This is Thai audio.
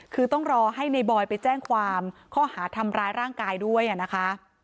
คือต้องรอให้ในบอยไปแจ้งความข้อหาทำร้ายร่างกายด้วยนะคะ